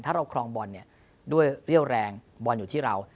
ถ้าเราครองบอลเนี่ยด้วยเรี่ยวแรงบอลอยู่ที่เรา